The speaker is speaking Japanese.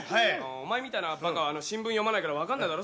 お前みたいなばかは新聞読まないから分かんないだろ